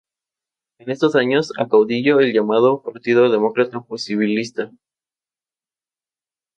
En estos años acaudilló el llamado Partido Demócrata Posibilista.